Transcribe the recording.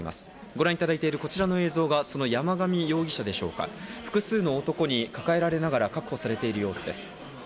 ご覧いただいてるこちらの映像はその山上容疑者でしょうか、複数の男に抱えられながら確保されている様子です。